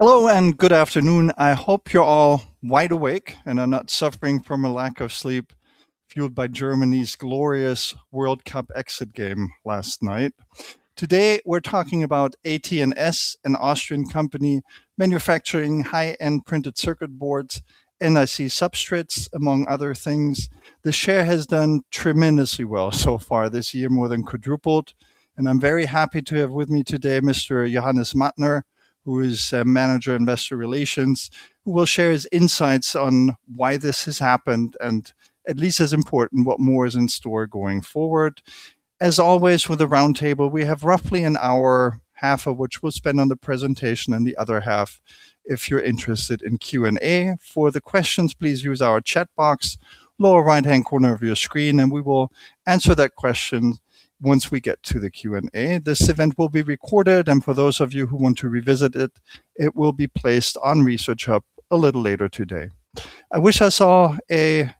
Hello and good afternoon. I hope you're all wide awake and are not suffering from a lack of sleep fueled by Germany's glorious World Cup exit game last night. Today, we're talking about AT&S, an Austrian company manufacturing high-end printed circuit boards, IC substrates, among other things. The share has done tremendously well so far this year, more than quadrupled, and I'm very happy to have with me today Mr. Johannes Mattner, who is Manager Investor Relations, who will share his insights on why this has happened, and at least as important, what more is in store going forward. As always, with the roundtable, we have roughly an hour, half of which we'll spend on the presentation, and the other half if you're interested in Q&A. For the questions, please use our chat box, lower right-hand corner of your screen. We will answer that question once we get to the Q&A. This event will be recorded. For those of you who want to revisit it will be placed on ResearchHub a little later today. I wish us all a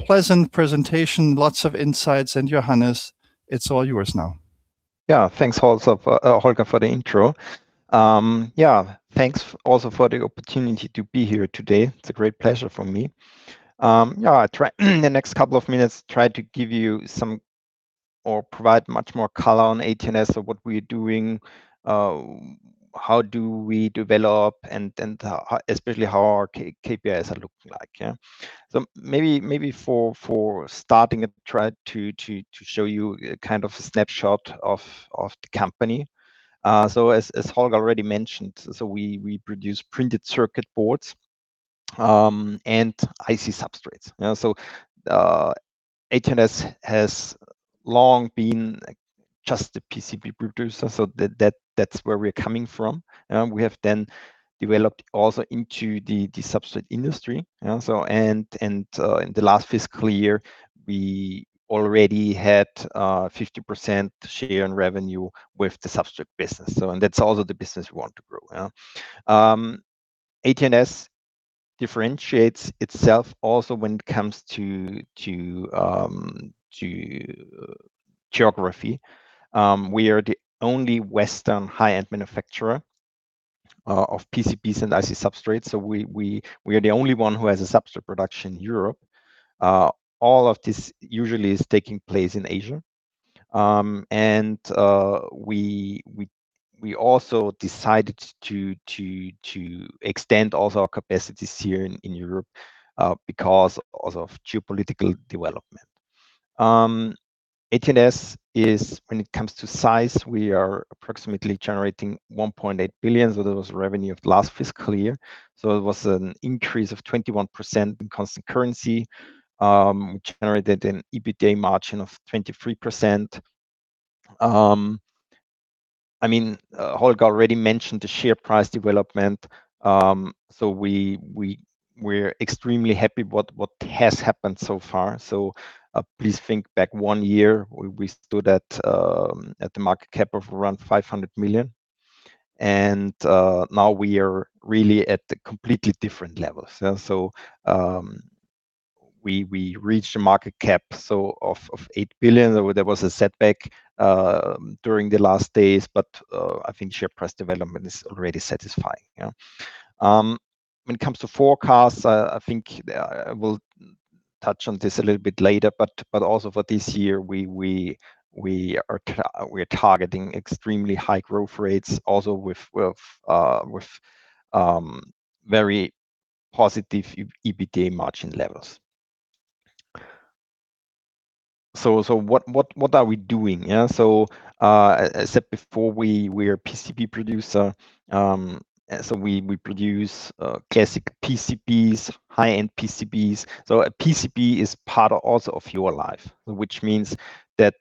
pleasant presentation, lots of insights. Johannes, it's all yours now. Thanks also, Holger, for the intro. Thanks also for the opportunity to be here today. It's a great pleasure for me. I'll in the next couple of minutes try to give you some, or provide much more color on AT&S of what we're doing, how do we develop, and especially how our KPIs are looking like. Maybe for starting, I try to show you a kind of snapshot of the company. As Holger already mentioned, we produce printed circuit boards, and IC substrates. AT&S has long been just a PCB producer, that's where we're coming from. We have then developed also into the substrate industry. And in the last fiscal year, we already had a 50% share in revenue with the substrate business, and that's also the business we want to grow. AT&S differentiates itself also when it comes to geography. We are the only Western high-end manufacturer of PCBs and IC substrates. We are the only one who has a substrate production in Europe. All of this usually is taking place in Asia. We also decided to extend all our capacities here in Europe because also of geopolitical development. AT&S is, when it comes to size, we are approximately generating 1.8 billion. That was revenue of last fiscal year. It was an increase of 21% in constant currency, generated an EBITDA margin of 23%. I mean, Holger already mentioned the share price development. We're extremely happy what has happened so far. Please think back one year, we stood at the market cap of around 500 million, and now we are really at a completely different level. We reached a market cap of 8 billion. There was a setback during the last days, I think share price development is already satisfying. When it comes to forecasts, I think we'll touch on this a little bit later, also for this year, we are targeting extremely high growth rates also with very positive EBITDA margin levels. What are we doing? I said before, we are a PCB producer, we produce classic PCBs, high-end PCBs. A PCB is part also of your life, which means that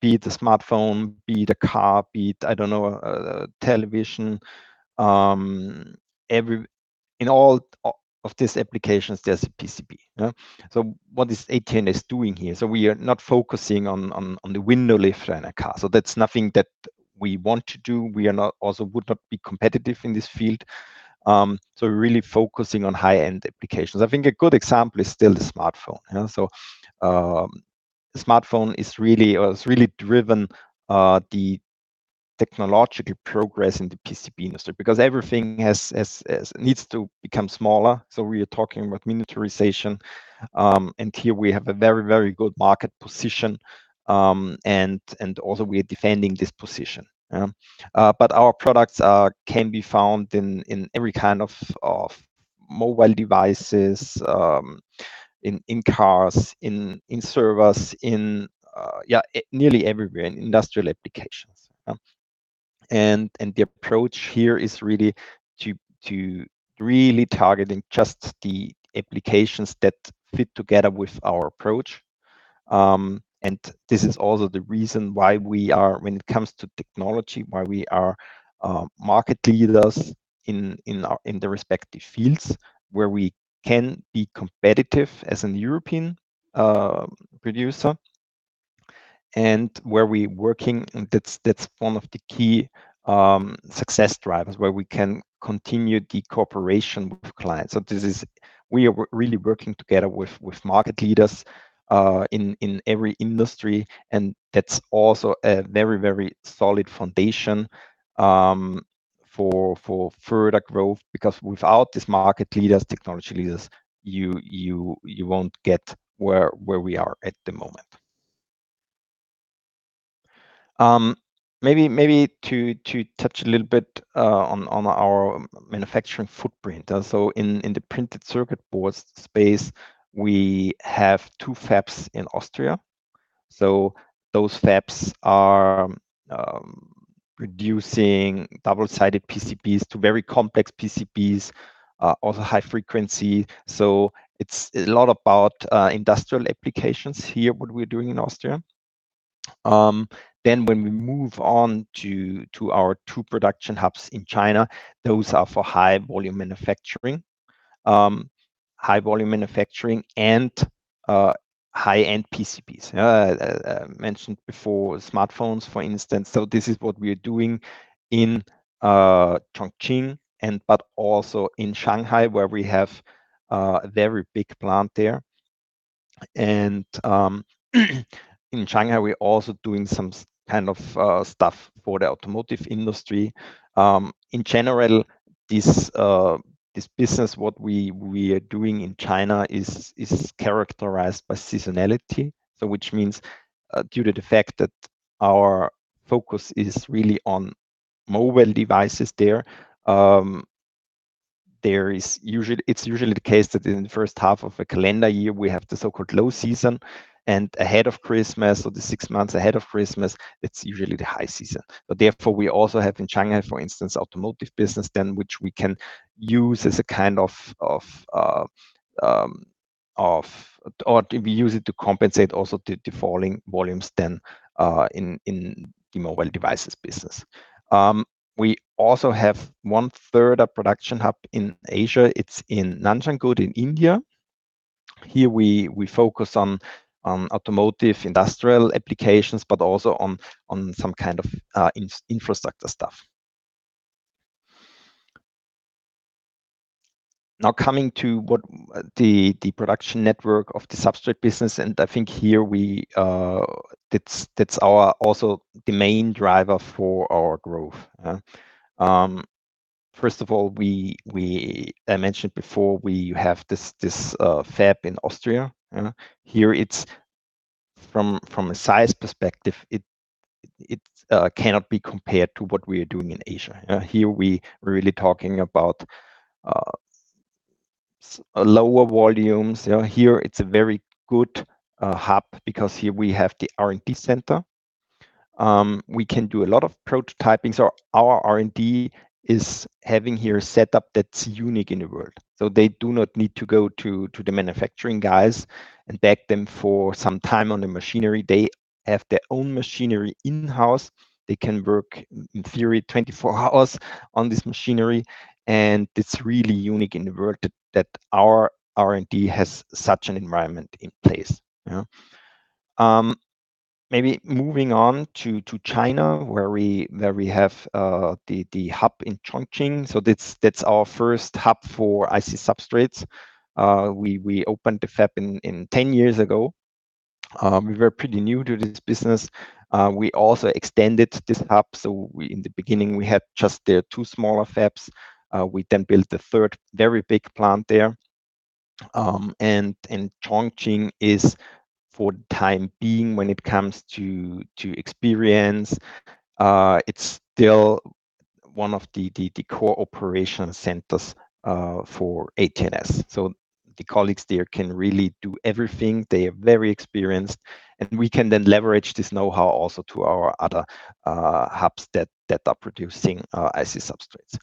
be it a smartphone, be it a car, be it, I don't know, a television. In all of these applications, there's a PCB. What is AT&S doing here? We are not focusing on the window lift in a car. That's nothing that we want to do. We also would not be competitive in this field. We're really focusing on high-end applications. I think a good example is still the smartphone. The smartphone has really driven the technological progress in the PCB industry because everything needs to become smaller, we are talking about miniaturization, and here we have a very good market position, and also we are defending this position. Our products can be found in every kind of mobile devices, in cars, in servers, in nearly everywhere, in industrial applications. The approach here is really to targeting just the applications that fit together with our approach, and this is also the reason why we are, when it comes to technology, why we are market leaders in the respective fields where we can be competitive as a European producer. Where we working, that's one of the key success drivers, where we can continue the cooperation with clients. We are really working together with market leaders in every industry, and that's also a very solid foundation for further growth because without these market leaders, technology leaders, you won't get where we are at the moment. Maybe to touch a little bit on our manufacturing footprint. In the printed circuit boards space, we have two fabs in Austria. Those fabs are producing double-sided PCBs to very complex PCBs, also high frequency. It's a lot about industrial applications here, what we're doing in Austria. When we move on to our two production hubs in China, those are for high volume manufacturing and high-end PCBs. I mentioned before smartphones, for instance. This is what we are doing in Chongqing but also in Shanghai where we have a very big plant there. In China, we're also doing some kind of stuff for the automotive industry. In general, this business, what we are doing in China, is characterized by seasonality. Which means, due to the fact that our focus is really on mobile devices there, it's usually the case that in the first half of a calendar year, we have the so-called low season, ahead of Christmas or the six months ahead of Christmas, it's usually the high season. Therefore, we also have in China, for instance, automotive business then which we use to compensate also the falling volumes then in the mobile devices business. We also have one-third of production hub in Asia. It's in Nanjangud in India. Here we focus on automotive industrial applications, also on some kind of infrastructure stuff. Coming to the production network of the substrate business, I think here that's also the main driver for our growth. First of all, I mentioned before we have this fab in Austria. Here it's from a size perspective, it cannot be compared to what we are doing in Asia. Here we are really talking about lower volumes. Here it's a very good hub because here we have the R&D center. We can do a lot of prototyping. Our R&D is having here a setup that's unique in the world. They do not need to go to the manufacturing guys and beg them for some time on the machinery. They have their own machinery in-house. They can work, in theory, 24 hours on this machinery, and it's really unique in the world that our R&D has such an environment in place. Moving on to China, where we have the hub in Chongqing. That's our first hub for IC substrates. We opened the fab 10 years ago. We were pretty new to this business. We also extended this hub. In the beginning, we had just the two smaller fabs. We then built the third very big plant there. Chongqing is, for the time being, when it comes to experience, it's still one of the core operation centers for AT&S. The colleagues there can really do everything. They are very experienced, and we can then leverage this knowhow also to our other hubs that are producing IC substrates.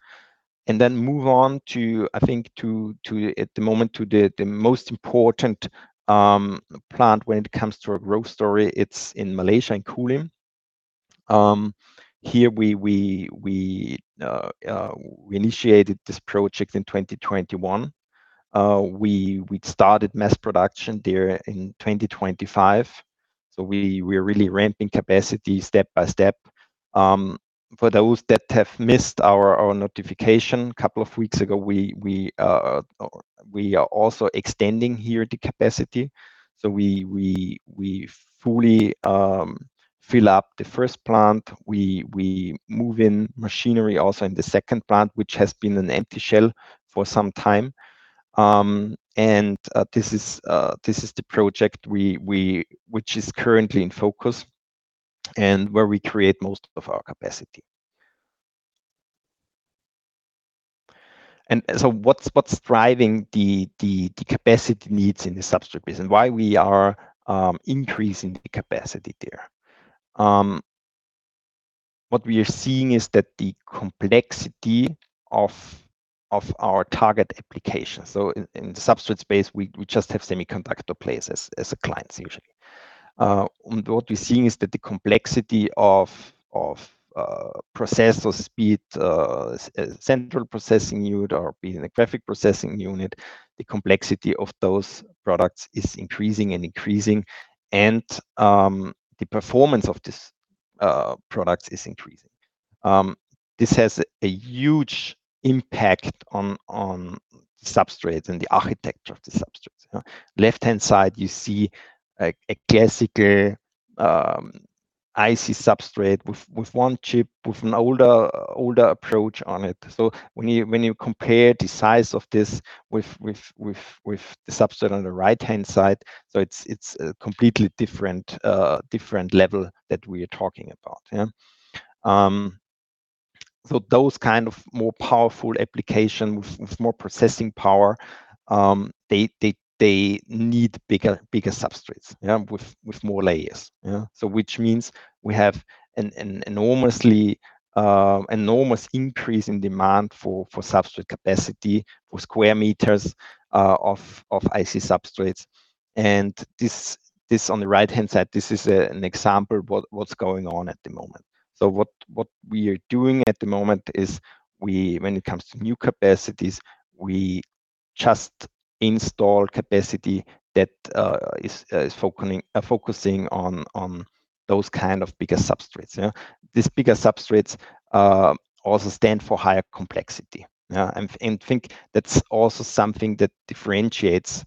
Then move on to, I think, at the moment to the most important plant when it comes to our growth story. It's in Malaysia, in Kulim. Here we initiated this project in 2021. We started mass production there in 2025. We are really ramping capacity step by step. For those that have missed our notification a couple of weeks ago, we are also extending here the capacity. We fully fill up the first plant. We move in machinery also in the second plant, which has been an empty shell for some time. This is the project which is currently in focus and where we create most of our capacity. What's driving the capacity needs in the substrate business? Why we are increasing the capacity there? What we are seeing is that the complexity of our target application. In the substrate space, we just have semiconductor players as the clients usually. What we're seeing is that the complexity of processors speed, central processing unit or be it a graphic processing unit, the complexity of those products is increasing and increasing, and the performance of these products is increasing. This has a huge impact on the substrate and the architecture of the substrate. Left-hand side, you see a classical IC substrate with one chip, with an older approach on it. When you compare the size of this with the substrate on the right-hand side, it's a completely different level that we are talking about. Yeah. Those kind of more powerful applications with more processing power, they need bigger substrates with more layers. Which means we have an enormous increase in demand for substrate capacity, for square meters of IC substrates. This on the right-hand side, this is an example what's going on at the moment. What we are doing at the moment is when it comes to new capacities, we just install capacity that is focusing on those kind of bigger substrates. These bigger substrates also stand for higher complexity. Think that's also something that differentiates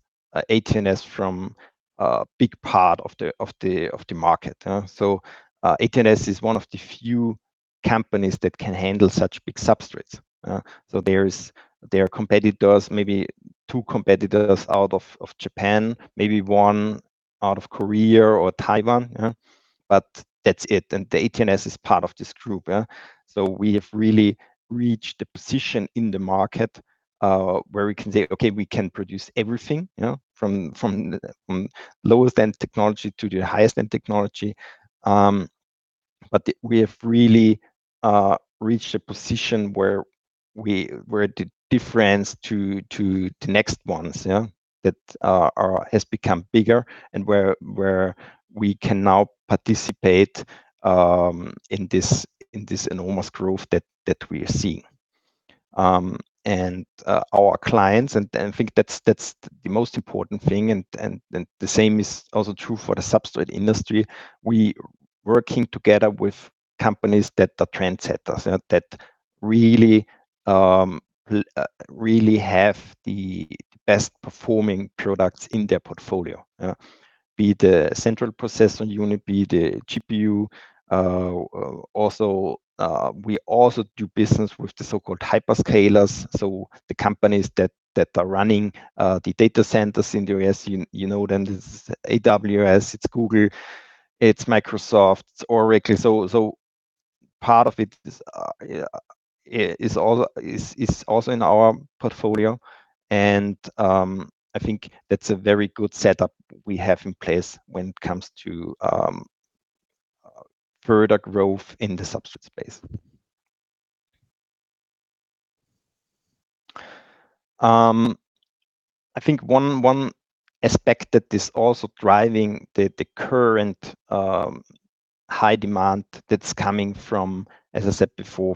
AT&S from a big part of the market. AT&S is one of the few companies that can handle such big substrates. There are competitors, maybe two competitors out of Japan, maybe one out of Korea or Taiwan. That's it. The AT&S is part of this group. We have really reached a position in the market, where we can say, "Okay, we can produce everything," from lowest end technology to the highest end technology. We have really reached a position where the difference to the next ones has become bigger and where we can now participate in this enormous growth that we are seeing. Our clients, and I think that's the most important thing, and the same is also true for the substrate industry. We are working together with companies that are trendsetters, that really have the best performing products in their portfolio. Be it the central processor unit, be it the GPU. We also do business with the so-called hyperscalers, the companies that are running the data centers in the U.S., you know them. It's AWS, it's Google, it's Microsoft, it's Oracle. Part of it is also in our portfolio. I think that's a very good setup we have in place when it comes to further growth in the substrate space. I think one aspect that is also driving the current high demand that's coming from, as I said before,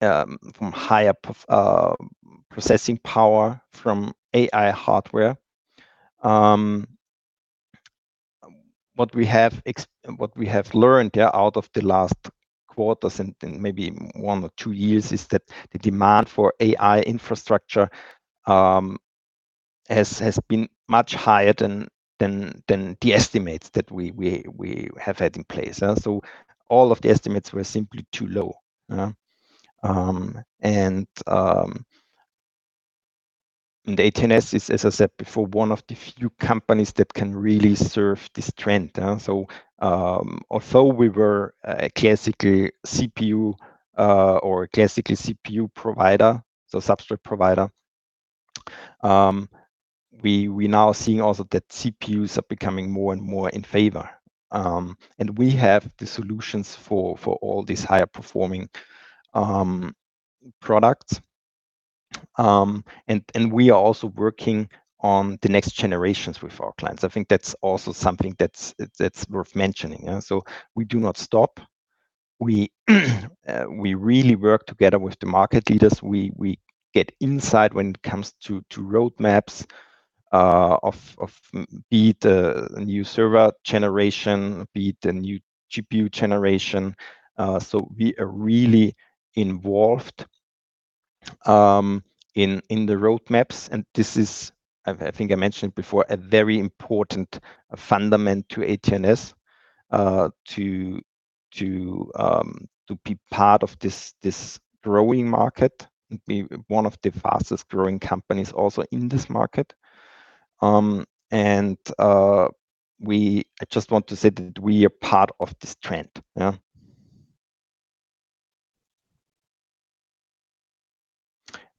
from higher processing power, from AI hardware. What we have learned out of the last quarters and maybe one or two years is that the demand for AI infrastructure has been much higher than the estimates that we have had in place. All of the estimates were simply too low. AT&S is, as I said before, one of the few companies that can really serve this trend. Although we were a classical CPU provider, substrate provider, we are now seeing also that CPUs are becoming more and more in favor. We have the solutions for all these higher performing products. We are also working on the next generations with our clients. I think that's also something that's worth mentioning. We do not stop. We really work together with the market leaders. We get insight when it comes to roadmaps of, be it a new server generation, be it a new GPU generation. We are really involved in the roadmaps, this is, I think I mentioned before, a very important fundament to AT&S, to be part of this growing market, be one of the fastest growing companies also in this market. I just want to say that we are part of this trend. Yeah.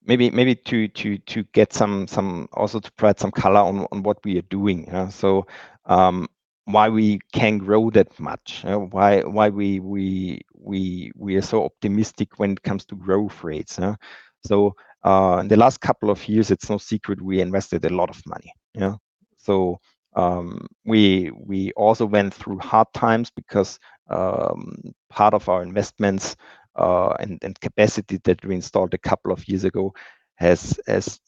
Maybe to get some, also to provide some color on what we are doing. Why we can grow that much. Why we are so optimistic when it comes to growth rates. In the last couple of years, it's no secret we invested a lot of money. We also went through hard times because part of our investments and capacity that we installed a couple of years ago has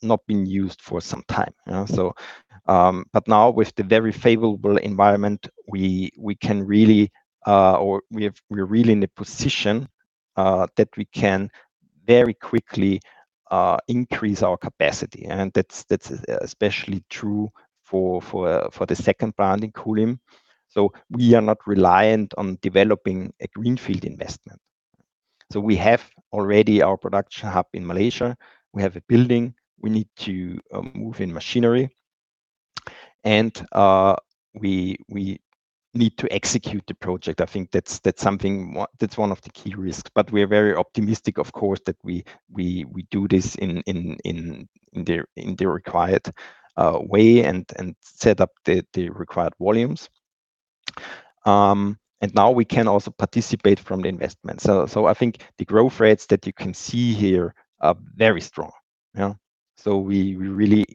not been used for some time. Now with the very favorable environment, we are really in a position that we can very quickly increase our capacity, and that's especially true for the second plant in Kulim. We are not reliant on developing a greenfield investment. We have already our production hub in Malaysia. We have a building. We need to move in machinery, and we need to execute the project. I think that's one of the key risks. We are very optimistic, of course, that we do this in the required way and set up the required volumes. Now we can also participate from the investment. I think the growth rates that you can see here are very strong. We really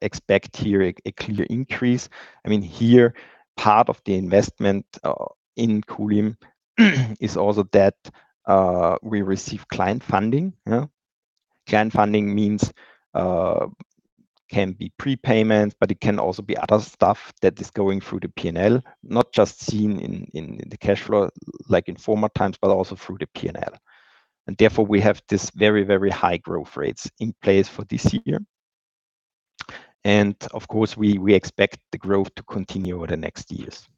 expect here a clear increase. Here, part of the investment in Kulim is also that we receive client funding. Client funding means can be prepayments, but it can also be other stuff that is going through the P&L, not just seen in the cash flow, like in former times, but also through the P&L. Therefore, we have this very high growth rates in place for this year. Of course, we expect the growth to continue over the next years.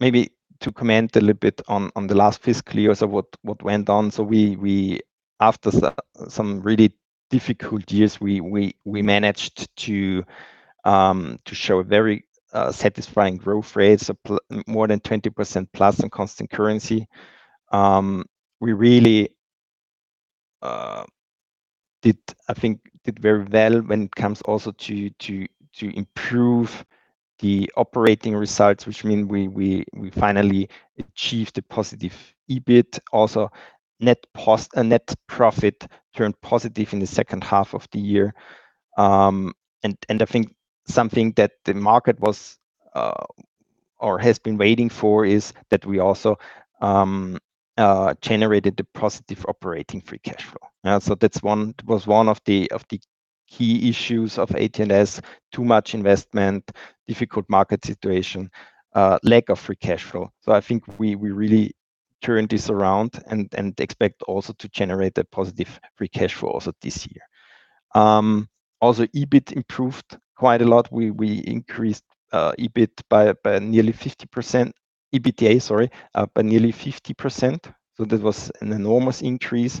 Maybe to comment a little bit on the last fiscal year, what went on. After some really difficult years, we managed to show a very satisfying growth rate, more than 20% plus in constant currency. We really did, I think, very well when it comes also to improve the operating results, which mean we finally achieved a positive EBIT. Also, net profit turned positive in the second half of the year. I think something that the market was or has been waiting for is that we also generated the positive operating free cash flow. That was one of the key issues of AT&S. Too much investment, difficult market situation, lack of free cash flow. I think we really turned this around and expect also to generate a positive free cash flow also this year. Also, EBIT improved quite a lot. We increased EBIT by nearly 50%. EBITDA, sorry, by nearly 50%. That was an enormous increase.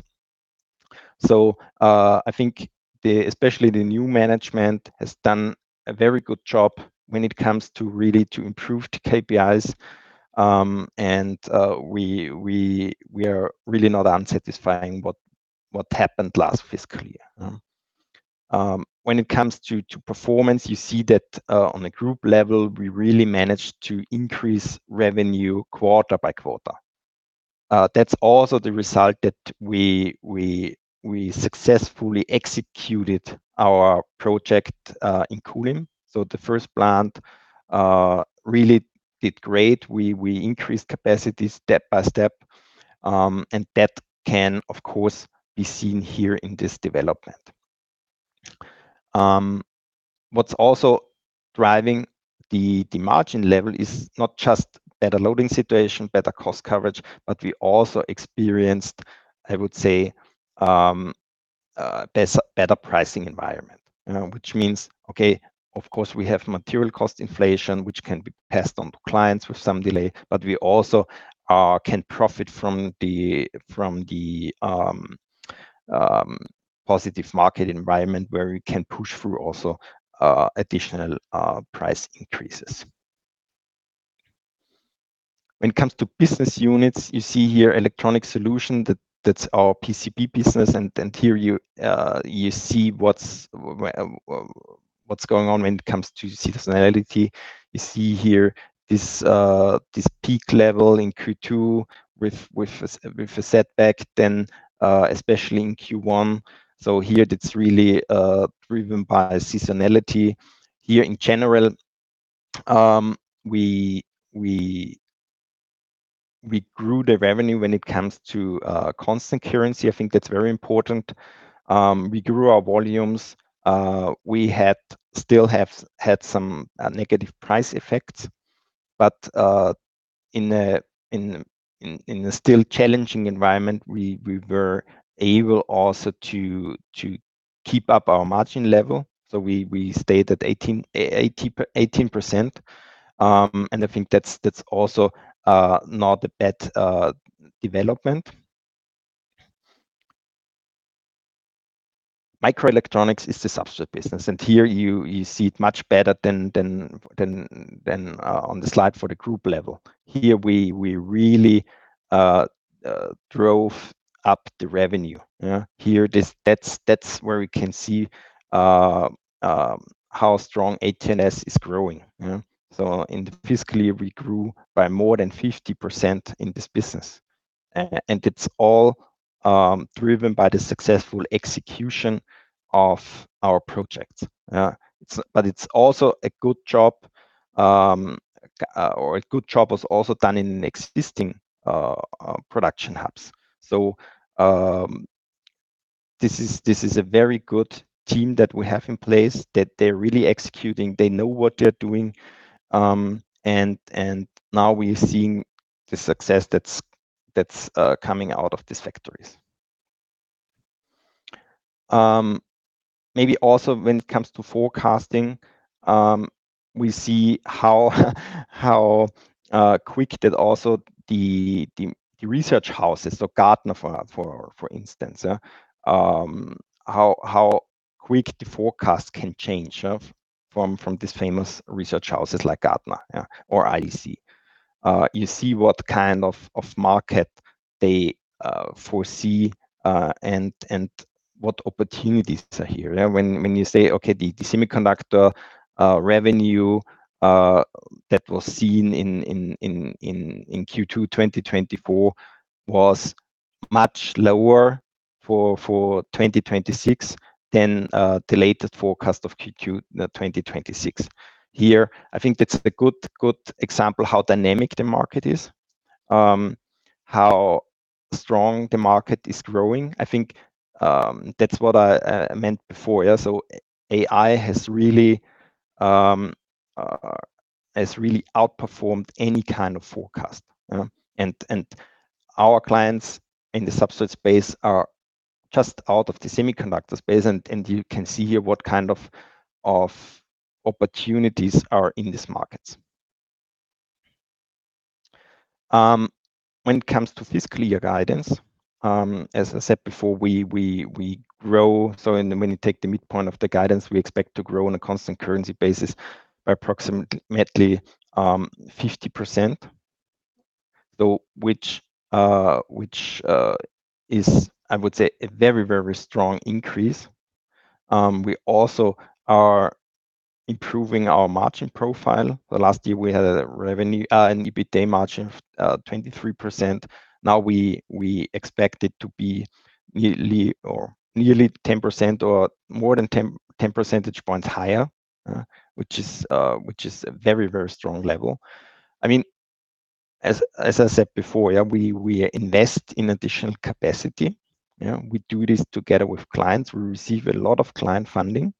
I think especially the new management has done a very good job when it comes to really to improve the KPIs. We are really not unsatisfying what happened last fiscal year. When it comes to performance, you see that on the group level, we really managed to increase revenue quarter by quarter. That's also the result that we successfully executed our project in Kulim. The first plant really did great. We increased capacity step by step. That can, of course, be seen here in this development. What's also driving the margin level is not just better loading situation, better cost coverage, but we also experienced, I would say, better pricing environment. Which means, okay, of course, we have material cost inflation, which can be passed on to clients with some delay, but we also can profit from the positive market environment where we can push through also additional price increases. When it comes to business units, you see here Electronics Solutions. That's our PCB business. Here you see what's going on when it comes to seasonality. You see here this peak level in Q2 with a setback then, especially in Q1. Here it's really driven by seasonality. Here in general, we grew the revenue when it comes to constant currency. I think that's very important. We grew our volumes. We still have had some negative price effects, but in the still challenging environment, we were able also to keep up our margin level. We stayed at 18%. I think that's also not a bad development. Microelectronics is the substrate business, and here you see it much better than on the slide for the group level. Here, we really drove up the revenue. Here that's where we can see how strong AT&S is growing. In the fiscal year, we grew by more than 50% in this business. It's all driven by the successful execution of our projects. It's also a good job. A good job was also done in existing production hubs. This is a very good team that we have in place, that they're really executing. They know what they're doing, and now we're seeing the success that's coming out of these factories. Maybe also when it comes to forecasting, we see how quick that also the research houses, Gartner, for instance. How quick the forecast can change from these famous research houses like Gartner or IDC. You see what kind of market they foresee, and what opportunities are here. When you say, okay, the semiconductor revenue that was seen in Q2 2024 was much lower for 2026 than the latest forecast of Q2 2026. Here, I think that's a good example how dynamic the market is, how strong the market is growing. I think that's what I meant before. AI has really outperformed any kind of forecast. Our clients in the substrate space are just out of the semiconductor space, and you can see here what kind of opportunities are in these markets. When it comes to fiscal year guidance, as I said before, we grow. When you take the midpoint of the guidance, we expect to grow on a constant currency basis by approximately 50%. Which is, I would say, a very strong increase. We also are improving our margin profile. The last year we had an EBITDA margin of 23%. Now we expect it to be nearly 10% or more than 10 percentage points higher, which is a very strong level. As I said before, we invest in additional capacity. We do this together with clients. We receive a lot of client funding,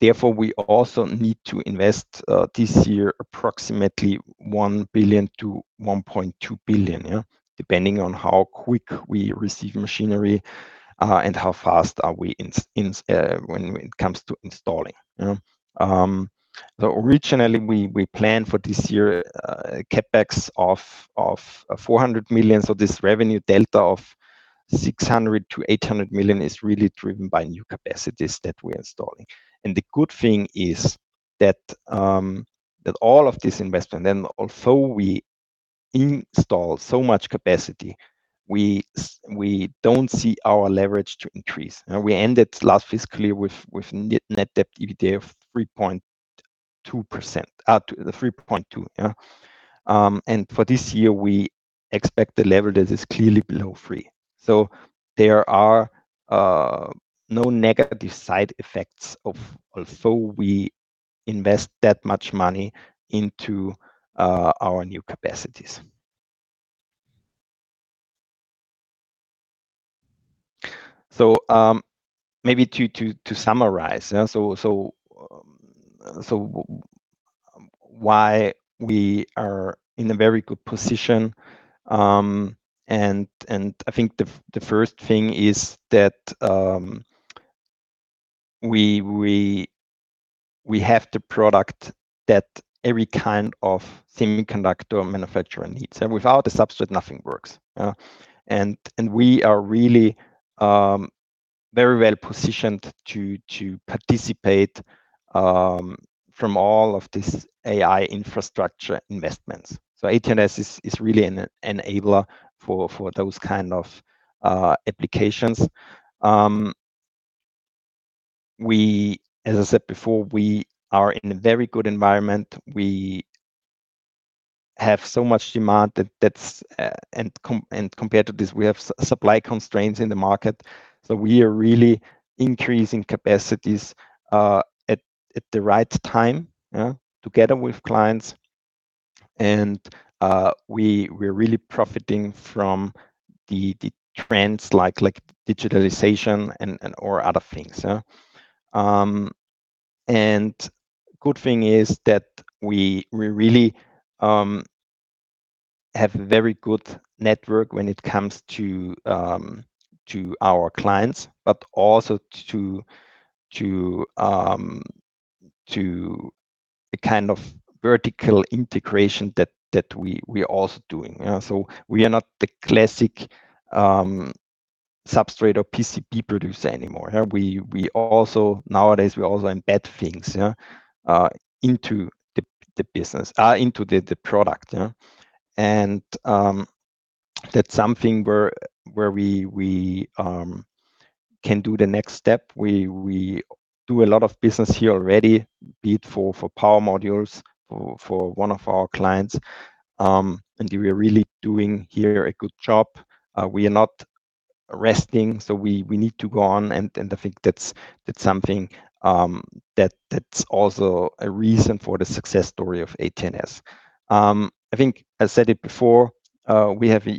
therefore we also need to invest this year approximately 1 billion to 1.2 billion, depending on how quick we receive machinery, and how fast are we when it comes to installing. Originally, we planned for this year CapEx of 400 million, this revenue delta of 600 million to 800 million is really driven by new capacities that we're installing. The good thing is that all of this investment, and although we install so much capacity, we don't see our leverage to increase. We ended last fiscal year with net debt/EBITDA of 3.2%. For this year, we expect the leverage that is clearly below 3. There are no negative side effects although we invest that much money into our new capacities. Maybe to summarize. Why we are in a very good position, and I think the first thing is that we have the product that every kind of semiconductor manufacturer needs. Without the substrate, nothing works. We are really very well-positioned to participate from all of these AI infrastructure investments. AT&S is really an enabler for those kind of applications. As I said before, we are in a very good environment. We have so much demand, and compared to this, we have supply constraints in the market. We are really increasing capacities at the right time together with clients, and we're really profiting from the trends like digitalization and/or other things. Good thing is that we really have very good network when it comes to our clients, but also to a kind of vertical integration that we are also doing. We are not the classic substrate or PCB producer anymore. Nowadays, we also embed things into the product. That's something where we can do the next step. We do a lot of business here already, be it for power modules for one of our clients. We are really doing here a good job. We are not resting, so we need to go on, and I think that's something that's also a reason for the success story of AT&S. I think I said it before, we have a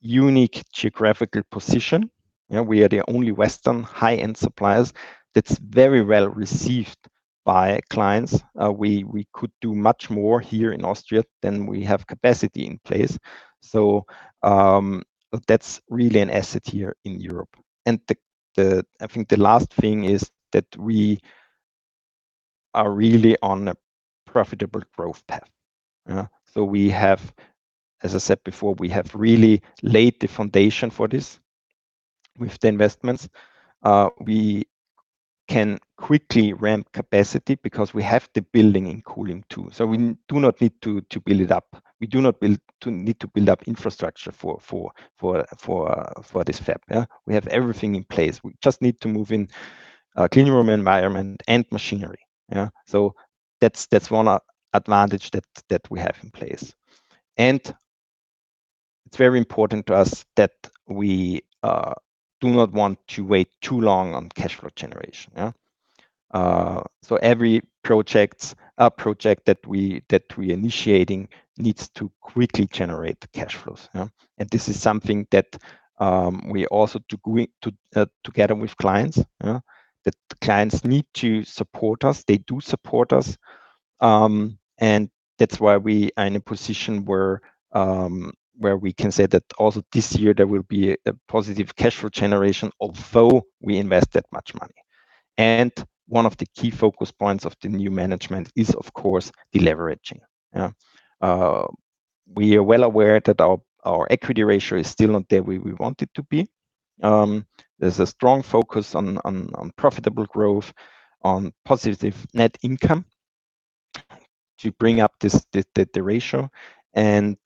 unique geographical position. We are the only Western high-end suppliers that's very well-received by clients. We could do much more here in Austria than we have capacity in place. That's really an asset here in Europe. I think the last thing is that we are really on a profitable growth path. As I said before, we have really laid the foundation for this with the investments. We can quickly ramp capacity because we have the building Kulim 2, so we do not need to build it up. We do not need to build up infrastructure for this fab. We have everything in place. We just need to move in a clean room environment and machinery. That's one advantage that we have in place. It's very important to us that we do not want to wait too long on cash flow generation. Every project that we initiating needs to quickly generate cash flows. This is something that we also do together with clients. The clients need to support us. They do support us. That's why we are in a position where we can say that also this year there will be a positive cash flow generation, although we invest that much money. One of the key focus points of the new management is, of course, deleveraging. We are well aware that our equity ratio is still not there where we want it to be. There's a strong focus on profitable growth, on positive net income to bring up the ratio, and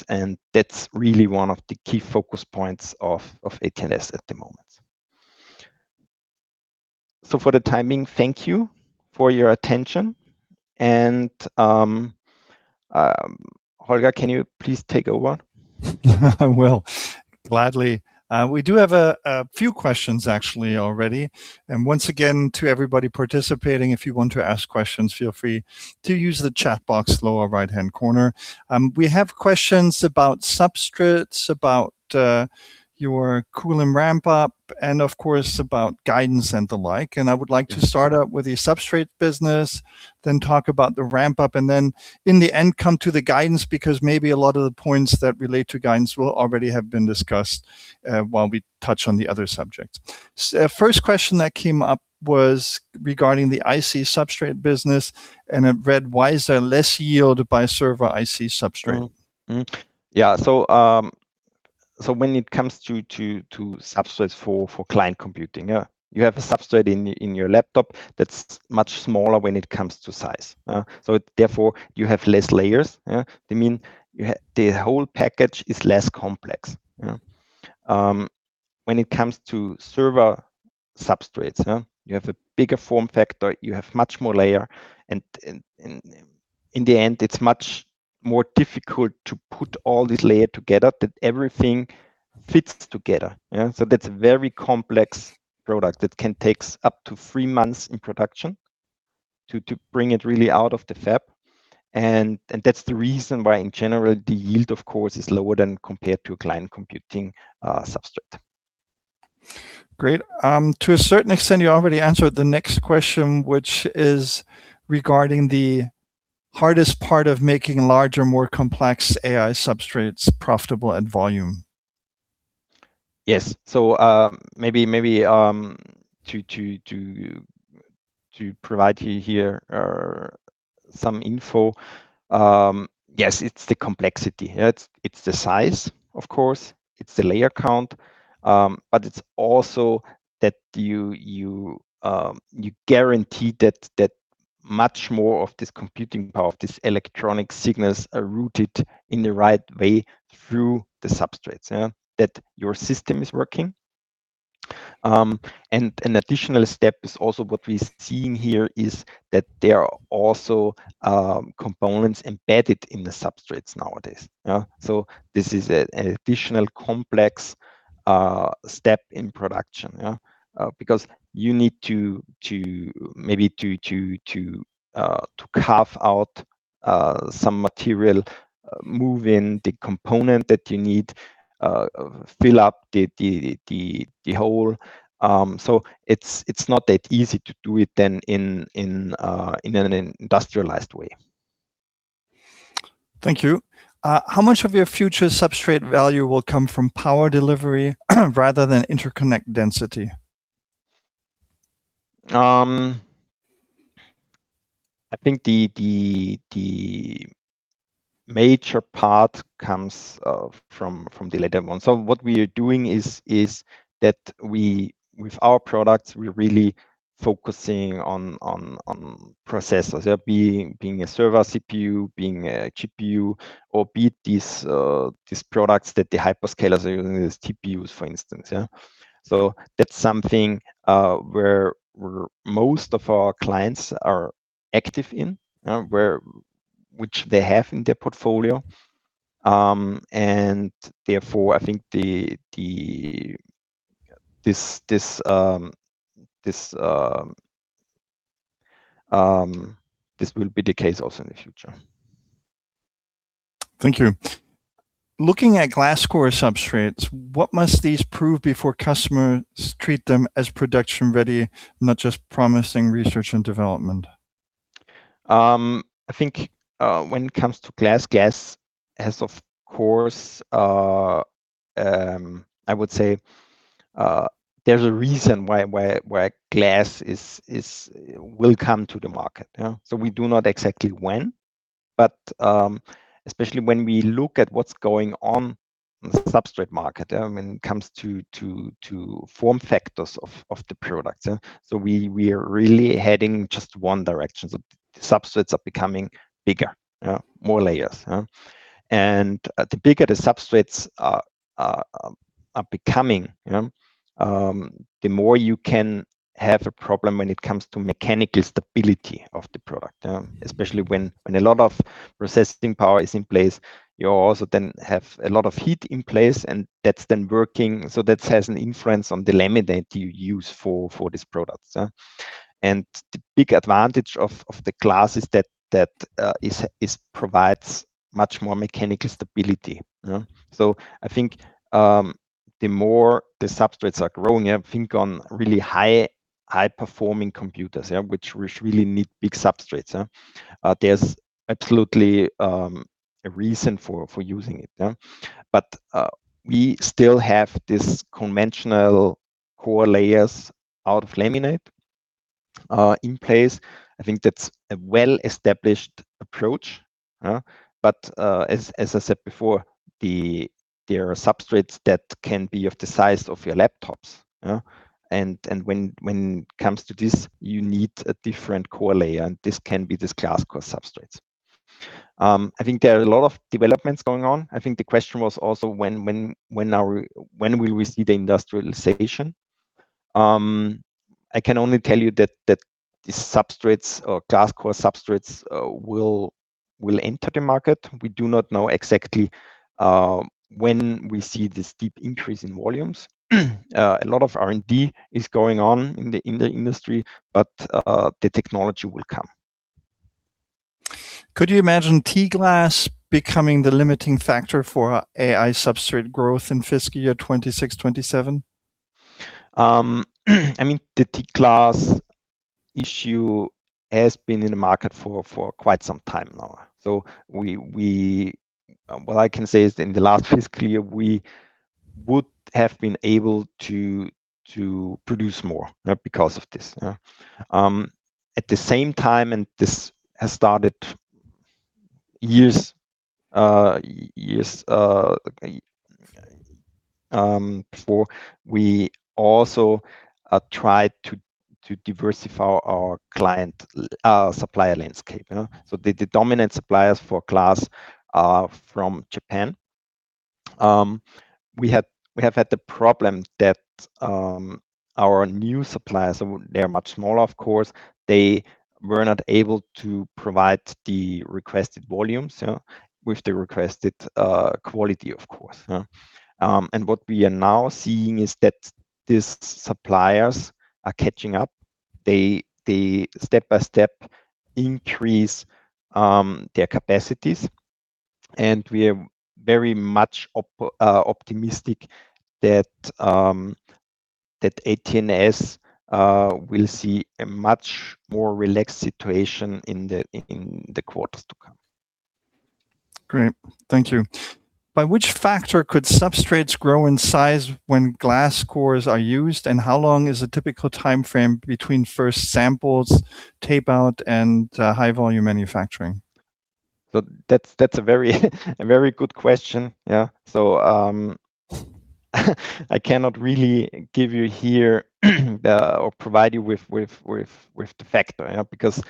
that's really one of the key focus points of AT&S at the moment. For the time being, thank you for your attention. Holger, can you please take over? I will gladly. We do have a few questions actually already. Once again, to everybody participating, if you want to ask questions, feel free to use the chat box, lower right-hand corner. We have questions about substrates, about your Kulim ramp-up, and of course about guidance and the like. I would like to start out with the substrate business, then talk about the ramp-up, and then in the end, come to the guidance, because maybe a lot of the points that relate to guidance will already have been discussed while we touch on the other subjects. First question that came up was regarding the IC substrate business, and it read, "Why is there less yield by server IC substrate? Yeah. When it comes to substrates for client computing, you have a substrate in your laptop that's much smaller when it comes to size. Therefore you have less layers. They mean the whole package is less complex. When it comes to server substrates, you have a bigger form factor, you have much more layer, and in the end, it's much more difficult to put all these layer together, that everything fits together. That's a very complex product that can take up to three months in production to bring it really out of the fab, and that's the reason why in general, the yield, of course, is lower than compared to a client computing substrate. Great. To a certain extent, you already answered the next question, which is regarding the hardest part of making larger, more complex AI substrates profitable at volume. Yes. Maybe to provide you here some info. Yes, it's the complexity. It's the size, of course, it's the layer count, but it's also that you guarantee that much more of this computing power of these electronic signals are routed in the right way through the substrates, that your system is working. An additional step is also what we are seeing here is that there are also components embedded in the substrates nowadays. This is an additional complex step in production. Because you need to maybe to carve out some material, move in the component that you need, fill up the hole. It's not that easy to do it in an industrialized way. Thank you. How much of your future substrate value will come from power delivery rather than interconnect density? I think the major part comes from the latter one. What we are doing is that with our products, we are really focusing on processors, being a server CPU, being a GPU, or be it these products that the hyperscalers are using, these TPUs, for instance. That's something where most of our clients are active in, which they have in their portfolio. Therefore, I think this will be the case also in the future. Thank you. Looking at glass core substrates, what must these prove before customers treat them as production-ready, not just promising research and development? I think when it comes to glass has, of course, I would say, there's a reason why glass will come to the market. We do not know exactly when, but especially when we look at what's going on in the substrate market, when it comes to form factors of the product. We are really heading just one direction. Substrates are becoming bigger. More layers. The bigger the substrates are becoming, the more you can have a problem when it comes to mechanical stability of the product. Especially when a lot of resisting power is in place, you also then have a lot of heat in place, and that's then working. That has an influence on the laminate you use for these products. The big advantage of the glass is that it provides much more mechanical stability. I think the more the substrates are growing, think on really high-performing computers, which really need big substrates. There's absolutely a reason for using it. We still have these conventional core layers out of laminate in place. I think that's a well-established approach. As I said before, there are substrates that can be of the size of your laptops. When it comes to this, you need a different core layer, and this can be these glass core substrates. I think there are a lot of developments going on. I think the question was also when will we see the industrialization? I can only tell you that these substrates or glass core substrates will enter the market. We do not know exactly when we see this steep increase in volumes. A lot of R&D is going on in the industry, but the technology will come. Could you imagine TGV glass becoming the limiting factor for AI substrate growth in fiscal year 2026, 2027? The TGV glass issue has been in the market for quite some time now. What I can say is in the last fiscal year, we would have been able to produce more because of this. At the same time, and this has started years before, we also tried to diversify our supplier landscape. The dominant suppliers for glass are from Japan. We have had the problem that our new suppliers, they are much smaller, of course. They were not able to provide the requested volumes with the requested quality, of course. What we are now seeing is that these suppliers are catching up. They step by step increase their capacities, and we are very much optimistic that AT&S will see a much more relaxed situation in the quarters to come. Great. Thank you. By which factor could substrates grow in size when glass core substrates are used, and how long is a typical timeframe between first samples, tape-out, and high-volume manufacturing? That's a very good question. I cannot really give you here or provide you with the factor, because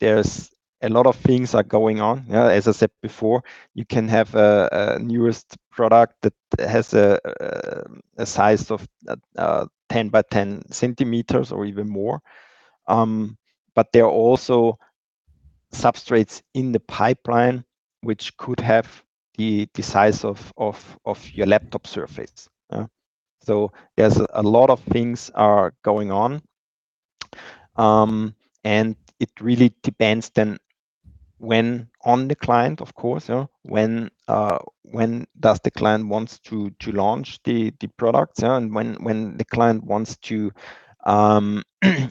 there's a lot of things are going on. As I said before, you can have a newest product that has a size of 10 by 10 centimeters or even more, but there are also substrates in the pipeline which could have the size of your laptop surface. There's a lot of things are going on, and it really depends then on the client, of course, when does the client want to launch the product, and when the client wants you to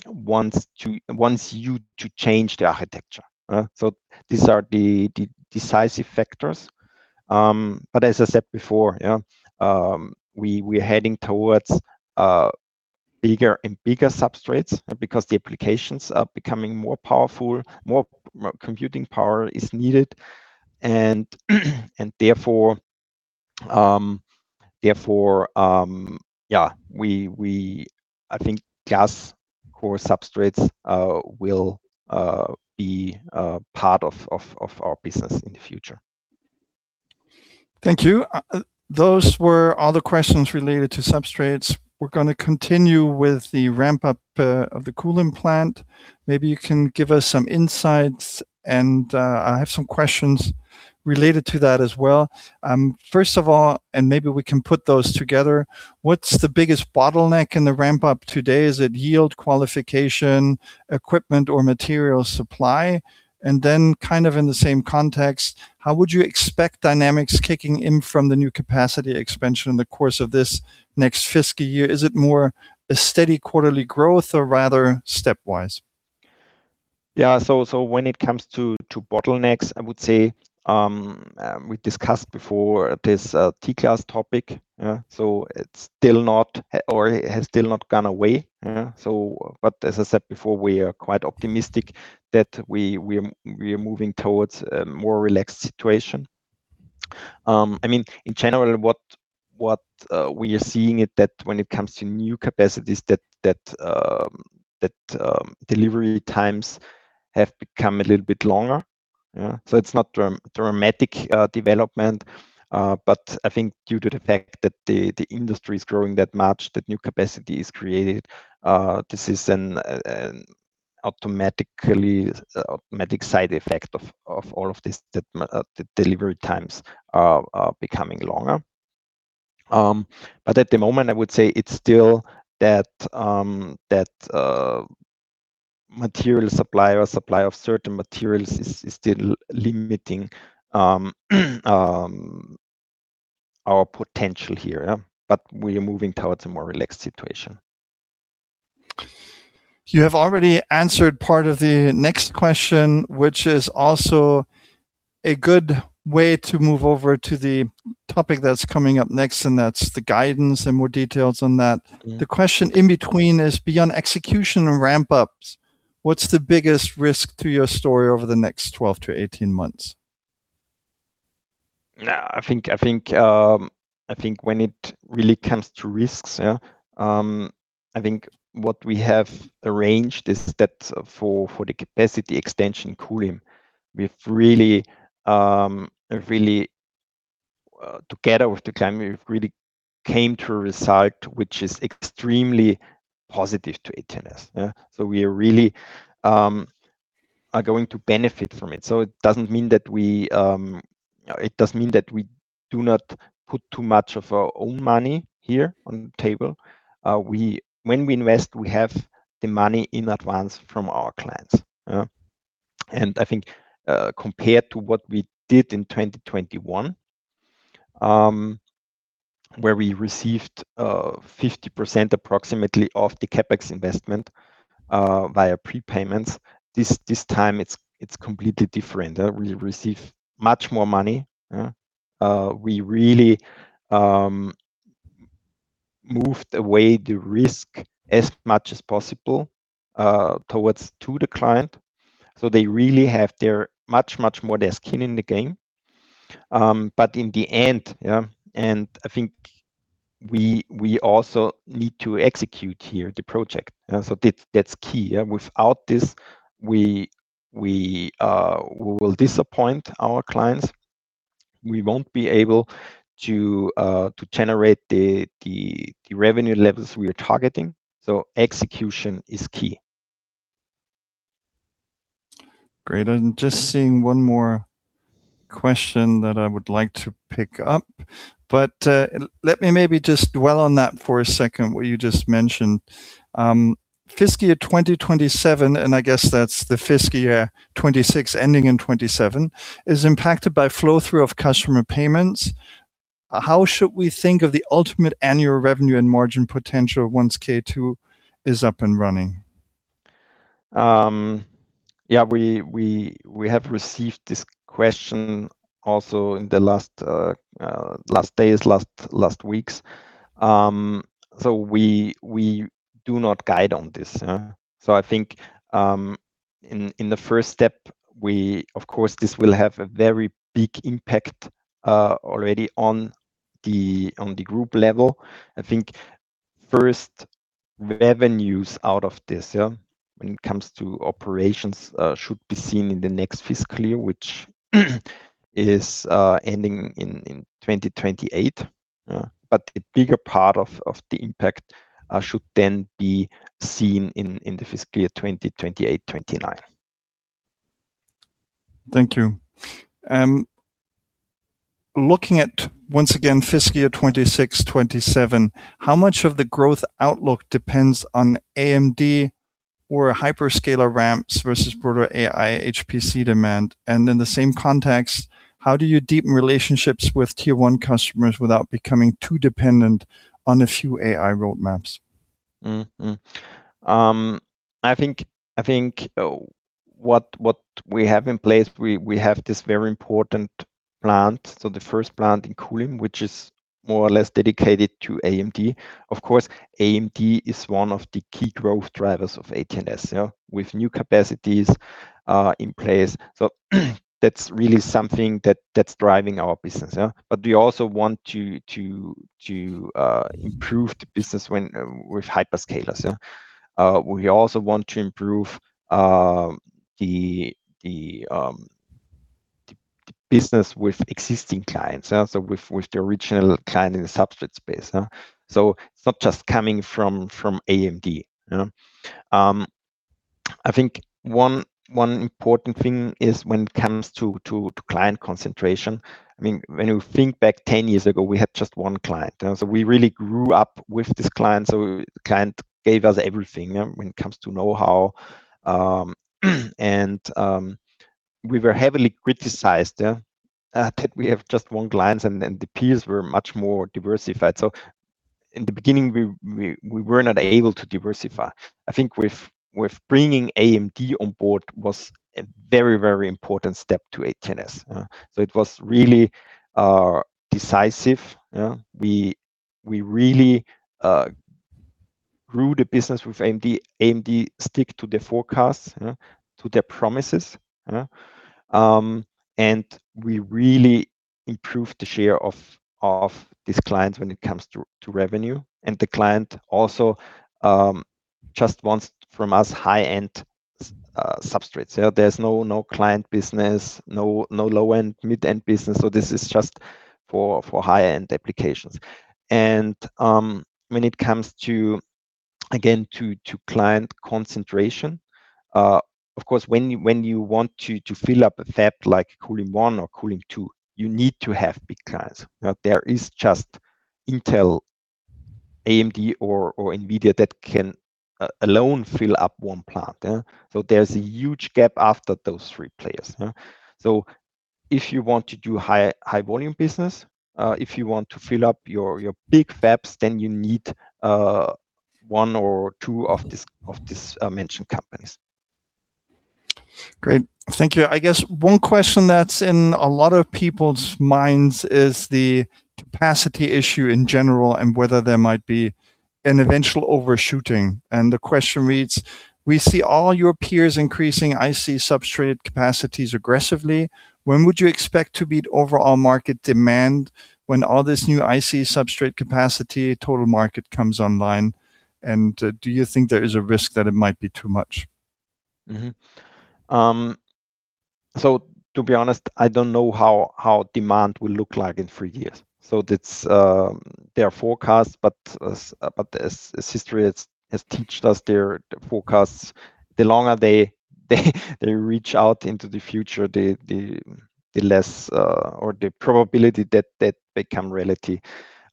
change the architecture. These are the decisive factors. As I said before, we are heading towards bigger and bigger substrates because the applications are becoming more powerful, more computing power is needed, and therefore, I think glass core substrates will be part of our business in the future. Thank you. Those were all the questions related to substrates. We're going to continue with the ramp-up of the Kulim plant. Maybe you can give us some insights, and I have some questions related to that as well. First of all, and maybe we can put those together, what's the biggest bottleneck in the ramp-up today? Is it yield qualification, equipment, or material supply? And then kind of in the same context, how would you expect dynamics kicking in from the new capacity expansion in the course of this next fiscal year? Is it more a steady quarterly growth or rather stepwise? When it comes to bottlenecks, I would say, we discussed before this TGV glass topic. It has still not gone away. As I said before, we are quite optimistic that we are moving towards a more relaxed situation. In general, what we are seeing is that when it comes to new capacities, that delivery times have become a little bit longer. It's not dramatic development, but I think due to the fact that the industry is growing that much, that new capacity is created, this is an automatic side effect of all of this, that the delivery times are becoming longer. At the moment, I would say it's still that material supply or supply of certain materials is still limiting our potential here. We are moving towards a more relaxed situation. You have already answered part of the next question, which is also a good way to move over to the topic that's coming up next, and that's the guidance and more details on that. The question in between is beyond execution and ramp-ups, what's the biggest risk to your story over the next 12-18 months? I think when it really comes to risks, I think what we have arranged is that for the capacity extension in Kulim, together with the client, we've really came to a result which is extremely positive to AT&S. We really are going to benefit from it. It doesn't mean that we do not put too much of our own money here on the table. When we invest, we have the money in advance from our clients. I think, compared to what we did in 2021, where we received 50% approximately of the CapEx investment via prepayments, this time it's completely different. We receive much more money. We really moved away the risk as much as possible towards the client. They really have their much, much more their skin in the game. In the end, I think we also need to execute here the project. That's key. Without this, we will disappoint our clients. We won't be able to generate the revenue levels we are targeting. Execution is key. Great. I'm just seeing one more question that I would like to pick up, but let me maybe just dwell on that for a second, what you just mentioned. Fiscal year 2027, and I guess that's the fiscal year 2026 ending in 2027, is impacted by flow-through of customer payments. How should we think of the ultimate annual revenue and margin potential once K2 is up and running? We have received this question also in the last days, last weeks. We do not guide on this. I think in the first step, of course, this will have a very big impact already on the group level. I think first revenues out of this, when it comes to operations, should be seen in the next fiscal year, which is ending in 2028. A bigger part of the impact should then be seen in the fiscal year 2028/29. Thank you. Looking at, once again, fiscal year 2026, 2027, how much of the growth outlook depends on AMD or hyperscaler ramps versus broader AI HPC demand? In the same context, how do you deepen relationships with Tier 1 customers without becoming too dependent on a few AI roadmaps? I think what we have in place, we have this very important plant, the first plant in Kulim, which is more or less dedicated to AMD. Of course, AMD is one of the key growth drivers of AT&S. With new capacities in place, that's really something that's driving our business. We also want to improve the business with hyperscalers. We also want to improve the business with existing clients, with the original client in the substrate space. It's not just coming from AMD. I think one important thing is when it comes to client concentration, when you think back 10 years ago, we had just one client. We really grew up with this client. The client gave us everything when it comes to know-how. We were heavily criticized that we have just one client, and the peers were much more diversified. In the beginning, we were not able to diversify. I think with bringing AMD on board was a very important step to AT&S. It was really decisive. We really grew the business with AMD. AMD stick to their forecasts, to their promises. We really improved the share of these clients when it comes to revenue. The client also just wants from us high-end substrates. There's no client business, no low-end, mid-end business. This is just for high-end applications. When it comes to, again, to client concentration, of course, when you want to fill up a fab, like Kulim 1 or Kulim 2, you need to have big clients. There is just Intel, AMD, or NVIDIA that can alone fill up one plant. There's a huge gap after those three players. If you want to do high volume business, if you want to fill up your big fabs, then you need one or two of these mentioned companies. Great. Thank you. I guess one question that's in a lot of people's minds is the capacity issue in general, and whether there might be an eventual overshooting. The question reads: We see all your peers increasing IC substrate capacities aggressively. When would you expect to meet overall market demand when all this new IC substrate capacity total market comes online? Do you think there is a risk that it might be too much? To be honest, I don't know how demand will look like in three years. That's their forecast, but as history has teached us, their forecasts, the longer they reach out into the future, the less, or the probability that become reality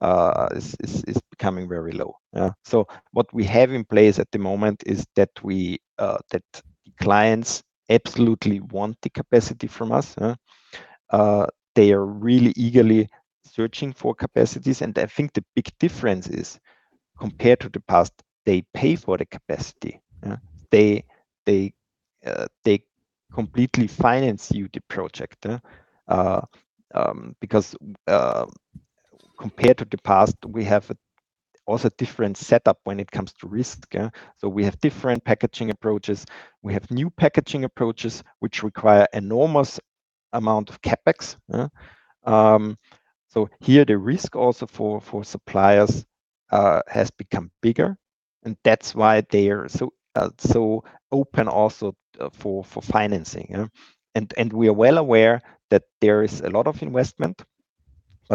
is becoming very low. What we have in place at the moment is that clients absolutely want the capacity from us. They are really eagerly searching for capacities. I think the big difference is, compared to the past, they pay for the capacity. They completely finance you the project. Compared to the past, we have also different setup when it comes to risk. We have different packaging approaches. We have new packaging approaches, which require enormous amount of CapEx. Here, the risk also for suppliers has become bigger, and that's why they are so open also for financing. We are well aware that there is a lot of investment,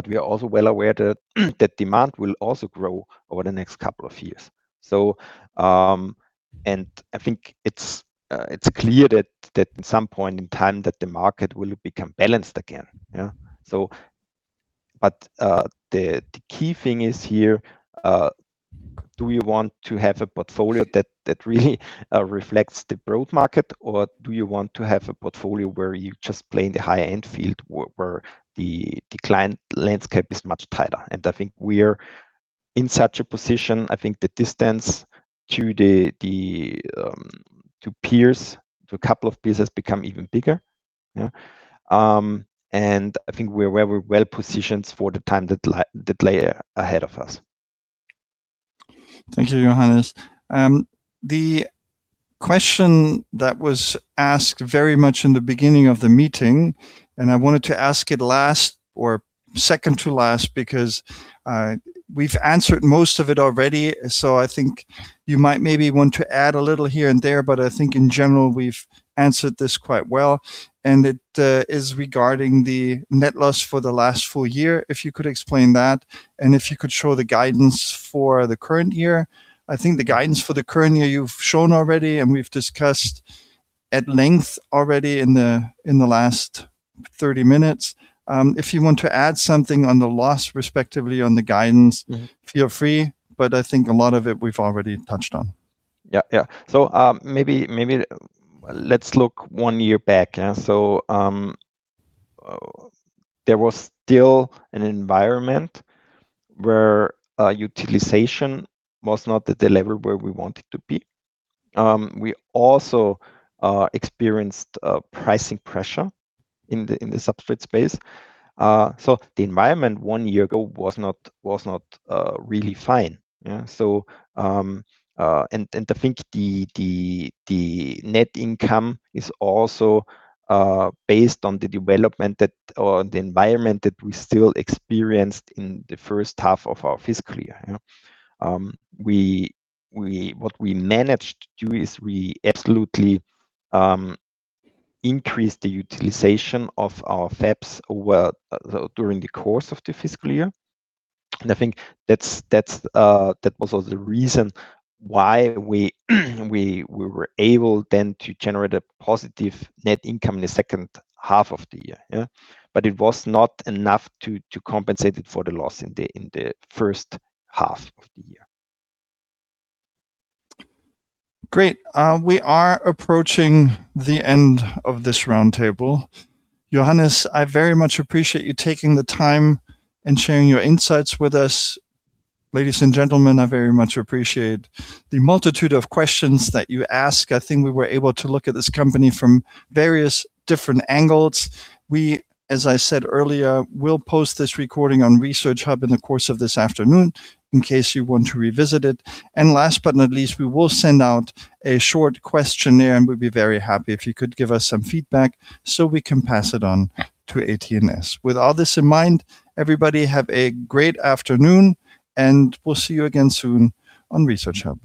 we are also well aware that demand will also grow over the next couple of years. I think it's clear that at some point in time that the market will become balanced again. The key thing is here, do you want to have a portfolio that really reflects the broad market, or do you want to have a portfolio where you just play in the high-end field where the client landscape is much tighter? I think we are in such a position. I think the distance to peers, to a couple of peers has become even bigger. I think we're well-positioned for the time, the player ahead of us. Thank you, Johannes. The question that was asked very much in the beginning of the meeting, and I wanted to ask it last or second to last because we've answered most of it already. I think you might maybe want to add a little here and there, but I think in general, we've answered this quite well, and it is regarding the net loss for the last full year. If you could explain that, and if you could show the guidance for the current year. I think the guidance for the current year you've shown already, and we've discussed at length already in the last 30 minutes. If you want to add something on the loss respectively on the guidance, feel free. I think a lot of it we've already touched on. Yeah. Maybe let's look one year back. There was still an environment where utilization was not at the level where we want it to be. We also experienced pricing pressure in the substrate space. The environment one year ago was not really fine. I think the net income is also based on the development that, or the environment that we still experienced in the first half of our fiscal year. What we managed to do is we absolutely increased the utilization of our fabs during the course of the fiscal year, I think that's also the reason why we were able then to generate a positive net income in the second half of the year. It was not enough to compensate it for the loss in the first half of the year. Great. We are approaching the end of this roundtable. Johannes, I very much appreciate you taking the time and sharing your insights with us. Ladies and gentlemen, I very much appreciate the multitude of questions that you ask. I think we were able to look at this company from various different angles. We, as I said earlier, will post this recording on ResearchHub in the course of this afternoon in case you want to revisit it. Last but not least, we will send out a short questionnaire, and we'd be very happy if you could give us some feedback so we can pass it on to AT&S. With all this in mind, everybody have a great afternoon, and we'll see you again soon on ResearchHub.